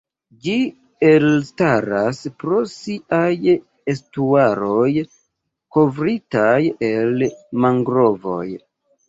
Ĝi elstaras pro siaj estuaroj kovritaj el mangrovoj.